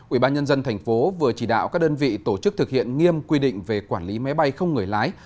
ubnd tp vừa chỉ đạo các đơn vị tổ chức thực hiện nghiêm quy định về quản lý máy bay không người lái